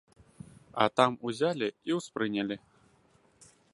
А там узялі і ўспрынялі.